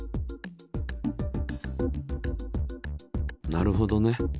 なるほどね。